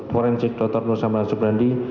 forensik dr nusamal subrandi